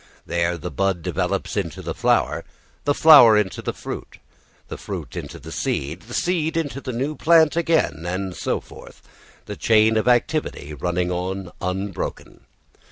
There the bud develops into the flower, the flower into the fruit, the fruit into the seed, the seed into a new plant again, and so forth, the chain of activity running on unbroken.